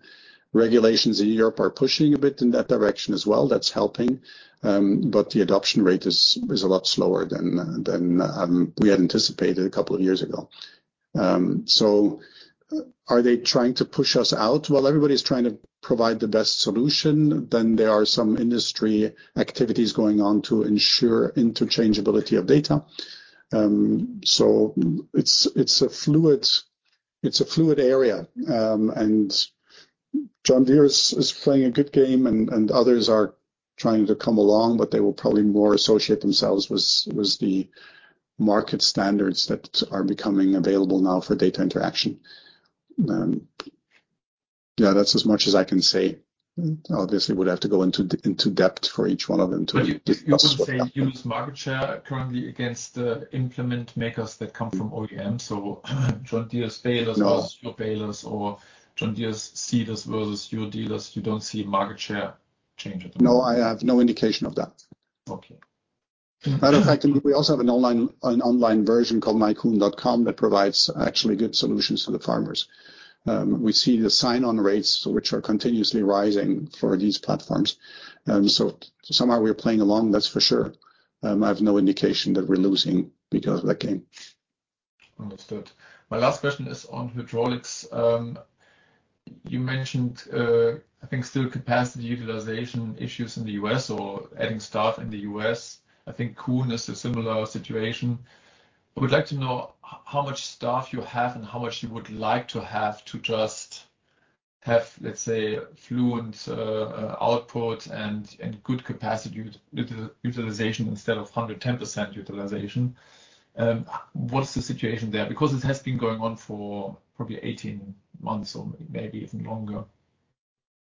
Regulations in Europe are pushing a bit in that direction as well. That's helping. The adoption rate is a lot slower than we had anticipated a couple of years ago. Are they trying to push us out? Well, everybody's trying to provide the best solution. There are some industry activities going on to ensure interchangeability of data. It's a fluid area, John Deere is playing a good game, and others are trying to come along, but they will probably more associate themselves with the market standards that are becoming available now for data interaction. That's as much as I can say. Obviously, would have to go into depth for each one of them. You don't say you lose market share currently against the implement makers that come from OEM? John Deere's balers- No. versus your balers, or John Deere's seeders versus your dealers, you don't see market share change at the moment? No, I have no indication of that. Okay. Matter of fact, we also have an online version called MyKUHN.com, that provides actually good solutions for the farmers. We see the sign-on rates, which are continuously rising for these platforms, somehow we're playing along, that's for sure. I have no indication that we're losing because of that game. Understood. My last question is on hydraulics. You mentioned, I think still capacity utilization issues in the U.S. or adding staff in the U.S. I think Kuhn is a similar situation. I would like to know how much staff you have and how much you would like to have, to just have, let's say, fluent output and good capacity utilization instead of 110% utilization. What's the situation there? Because it has been going on for probably 18 months or maybe even longer.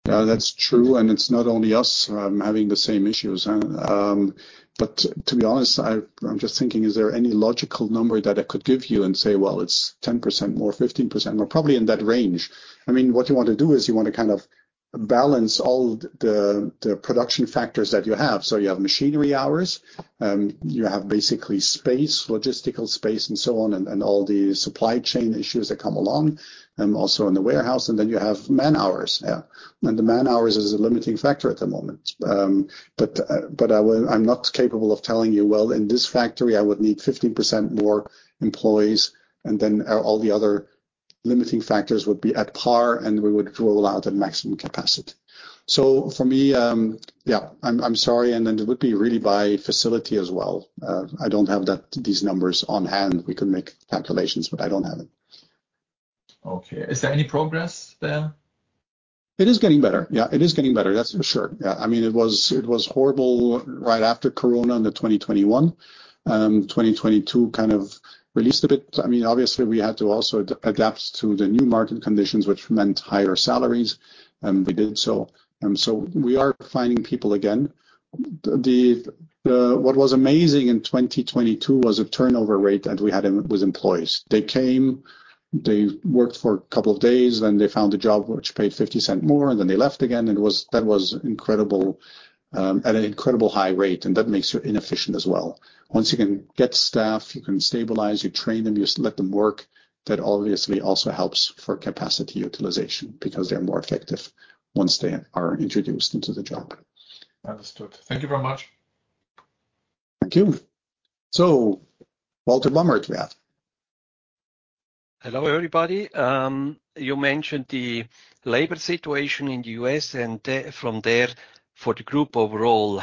That's true, and it's not only us having the same issues. But to be honest, I'm just thinking, is there any logical number that I could give you and say, well, it's 10% more, 15% more? Probably in that range. I mean, what you want to do is you want to kind of balance all the production factors that you have. You have machinery hours, you have basically space, logistical space, and so on, and all the supply chain issues that come along also in the warehouse, and then you have man-hours. The man-hours is a limiting factor at the moment. I'm not capable of telling you, "Well, in this factory, I would need 15% more employees, and then, all the other limiting factors would be at par, and we would roll out at maximum capacity." Yeah, I'm sorry, and then it would be really by facility as well. I don't have these numbers on hand. We can make calculations, but I don't have it. Okay. Is there any progress there? It is getting better. Yeah, it is getting better, that's for sure. Yeah. I mean, it was, it was horrible right after Corona in 2021. 2022 kind of released a bit. I mean, obviously, we had to also adapt to the new market conditions, which meant higher salaries, and we did so. We are finding people again. The... What was amazing in 2022 was a turnover rate that we had in with employees. They came, they worked for a couple of days, then they found a job which paid 0.50 more, and then they left again. That was incredible at an incredible high rate, and that makes you inefficient as well. Once you can get staff, you can stabilize, you train them, you just let them work, that obviously also helps for capacity utilization because they're more effective once they are introduced into the job. Understood. Thank you very much. Thank you. Walter Bamert, yeah. Hello, everybody. You mentioned the labor situation in the U.S. and the, from there, for the group overall,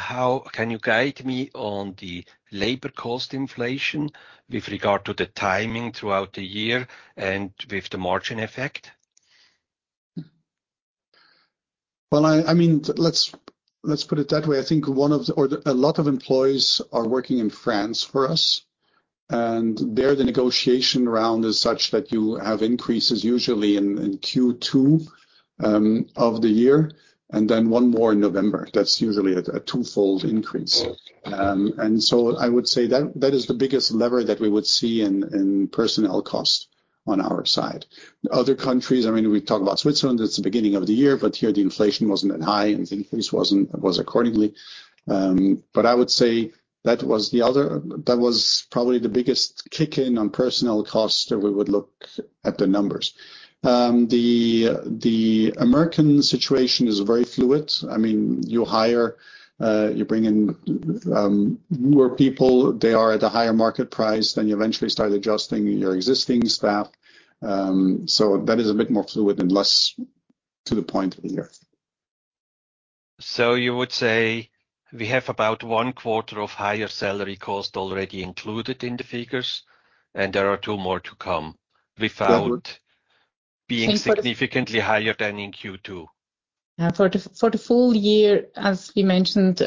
can you guide me on the labor cost inflation with regard to the timing throughout the year and with the margin effect? Well, I mean, let's put it that way. I think one of the, or a lot of employees are working in France for us, and there, the negotiation round is such that you have increases usually in Q2 of the year, and then one more in November. That's usually a twofold increase. I would say that is the biggest lever that we would see in personnel costs on our side. Other countries, I mean, we talk about Switzerland, it's the beginning of the year, but here the inflation wasn't that high, and the increase wasn't, was accordingly. I would say that was probably the biggest kick in on personnel costs, that we would look at the numbers. The American situation is very fluid. I mean, you hire, you bring in, more people, they are at a higher market price, then you eventually start adjusting your existing staff. That is a bit more fluid and less to the point of the year. You would say we have about one quarter of higher salary cost already included in the figures, and there are two more to come. That would- Without being significantly higher than in Q2? Yeah. For the full year, as we mentioned,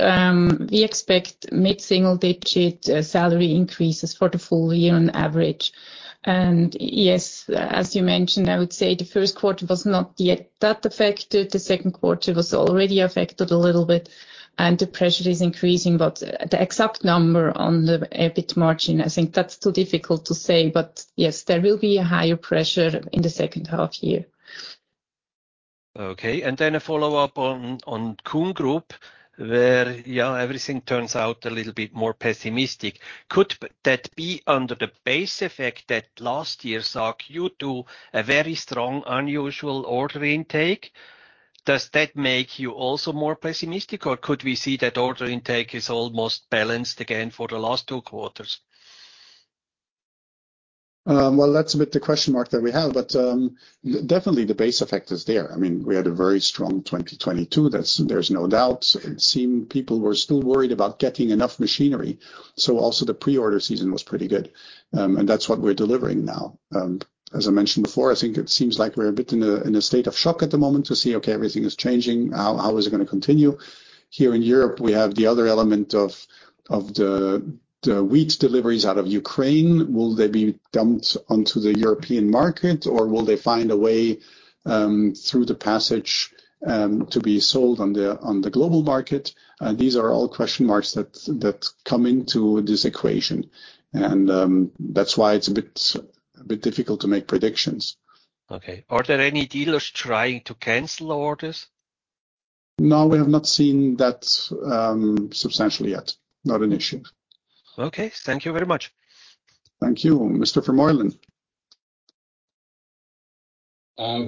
we expect mid-single-digit salary increases for the full year on average. Yes, as you mentioned, I would say the first quarter was not yet that affected. The second quarter was already affected a little bit, and the pressure is increasing. The exact number on the EBIT margin, I think that's too difficult to say, but yes, there will be a higher pressure in the second half year. Okay, then a follow-up on Kuhn Group, where, yeah, everything turns out a little bit more pessimistic. Could that be under the base effect that last year saw Q2, a very strong, unusual order intake? Does that make you also more pessimistic, or could we see that order intake is almost balanced again for the last two quarters? Well, that's a bit the question mark that we have, but definitely the base effect is there. I mean, we had a very strong 2022. There's no doubt. It seemed people were still worried about getting enough machinery, so also the pre-order season was pretty good. That's what we're delivering now. As I mentioned before, I think it seems like we're a bit in a state of shock at the moment to see, okay, everything is changing. How is it gonna continue? Here in Europe, we have the other element of the wheat deliveries out of Ukraine. Will they be dumped onto the European market, or will they find a way through the passage to be sold on the global market? These are all question marks that come into this equation, and that's why it's a bit difficult to make predictions. Okay. Are there any dealers trying to cancel orders? No, we have not seen that, substantially yet. Not an issue. Okay. Thank you very much. Thank you. Mr. Voermaelan?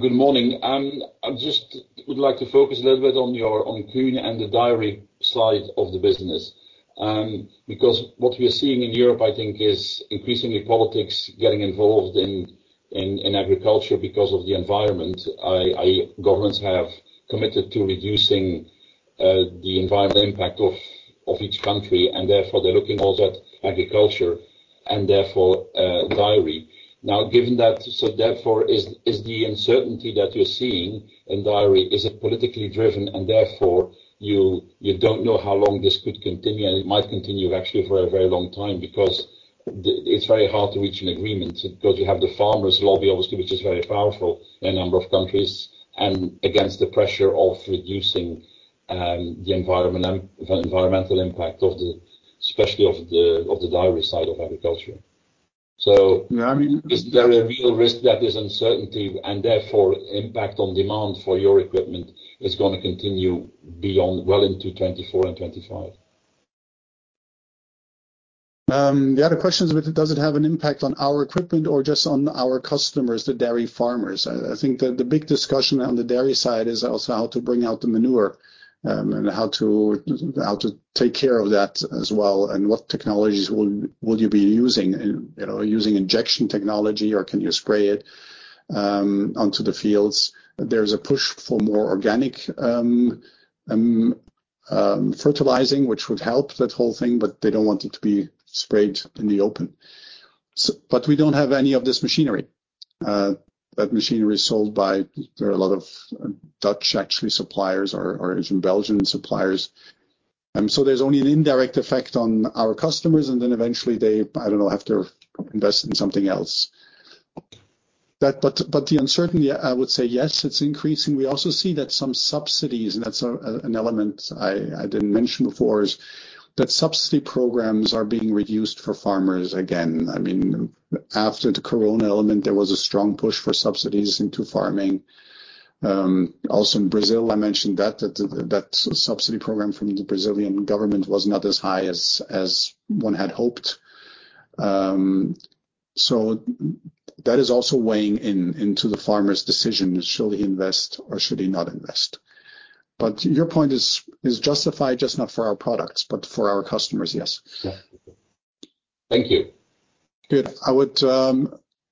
Good morning. I just would like to focus a little bit on your, on Kuhn and the dairy side of the business, because what we are seeing in Europe, I think, is increasingly politics getting involved in agriculture because of the environment. Governments have committed to reducing the environmental impact of each country, and therefore, they're looking also at agriculture, and therefore, dairy. Given that, so therefore, is the uncertainty that you're seeing in dairy, is it politically driven, and therefore, you don't know how long this could continue? It might continue actually for a very long time because it's very hard to reach an agreement because you have the farmers' lobby, obviously, which is very powerful in a number of countries, and against the pressure of reducing the environmental impact of especially of the dairy side of agriculture. I mean, is there a real risk that this uncertainty and therefore impact on demand for your equipment is going to continue beyond, well into 2024 and 2025? The other question is, does it have an impact on our equipment or just on our customers, the dairy farmers? I think that the big discussion on the dairy side is also how to bring out the manure, and how to take care of that as well, and what technologies will you be using, and, you know, using injection technology, or can you spray it onto the fields? There's a push for more organic fertilizing, which would help that whole thing, but they don't want it to be sprayed in the open. But we don't have any of this machinery. That machinery is sold by... There are a lot of Dutch, actually, suppliers or Belgian suppliers. There's only an indirect effect on our customers, and then eventually they, I don't know, have to invest in something else. The uncertainty, I would say yes, it's increasing. We also see that some subsidies, and that's an element I didn't mention before, is that subsidy programs are being reduced for farmers again. I mean, after the Corona element, there was a strong push for subsidies into farming. Also in Brazil, I mentioned that subsidy program from the Brazilian government was not as high as one had hoped. That is also weighing in into the farmer's decision: should he invest or should he not invest? Your point is justified, just not for our products, but for our customers, yes. Thank you. Good. I would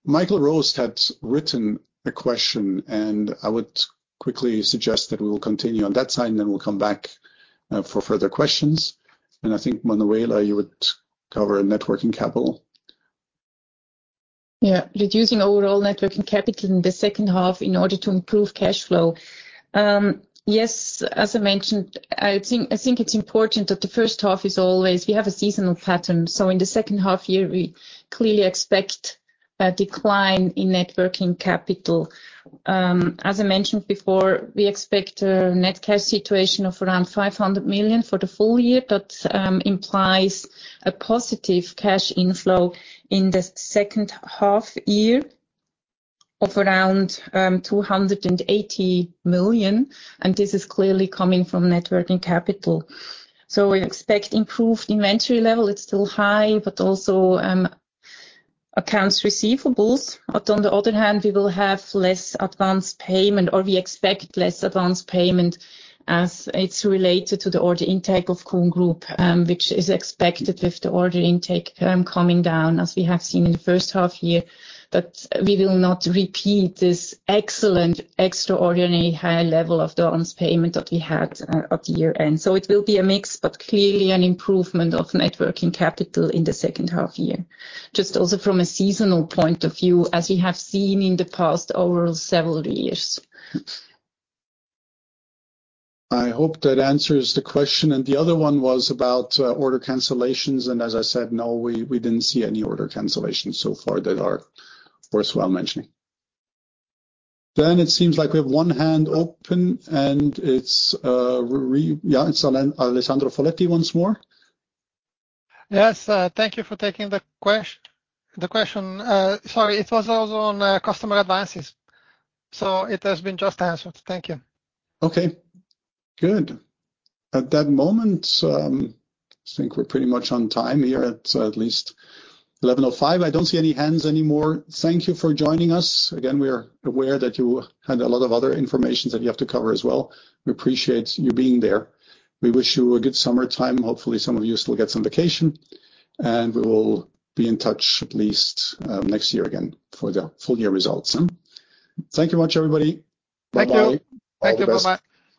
Michael Roost had written a question, and I would quickly suggest that we will continue on that side, and then we'll come back for further questions. I think, Manuela, you would cover net workinging capital. Yeah. Reducing overall net working capital in the second half in order to improve cash flow. Yes, as I mentioned, I think it's important that the first half is always. We have a seasonal pattern. In the second half year, we clearly expect a decline in net working capital. As I mentioned before, we expect a net cash situation of around 500 million for the full year. That implies a positive cash inflow in the second half year of around 280 million. This is clearly coming from net working capital. We expect improved inventory level. It's still high, but also accounts receivables. On the other hand, we will have less advanced payment, or we expect less advanced payment as it's related to the order intake of Kuhn Group, which is expected with the order intake coming down, as we have seen in the first half year, that we will not repeat this excellent, extraordinary high level of the advance payment that we had at the year-end. It will be a mix, but clearly an improvement of net working capital in the second half year. Just also from a seasonal point of view, as we have seen in the past over several years. I hope that answers the question, and the other one was about order cancellations. As I said, no, we didn't see any order cancellations so far that are worthwhile mentioning. It seems like we have one hand open, and it's, Yeah, it's Alessandro Foletti once more. Yes, thank you for taking the question. Sorry, it was also on customer advances, so it has been just answered. Thank you. Okay, good. At that moment, I think we're pretty much on time here at least 11:05. I don't see any hands anymore. Thank you for joining us. Again, we are aware that you had a lot of other informations that you have to cover as well. We appreciate you being there. We wish you a good summertime. Hopefully, some of you still get some vacation, and we will be in touch at least next year again for the full year results, huh? Thank you very much, everybody. Bye-bye. Thank you. All the best. Thank you. Bye-bye.